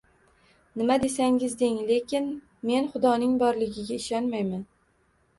Nima desangiz deng, lekin men Xudoning borligiga ishonmayman